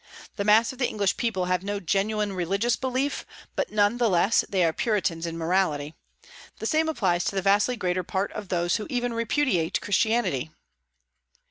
The mass of the English people have no genuine religious belief, but none the less they are Puritans in morality. The same applies to the vastly greater part of those who even repudiate Christianity."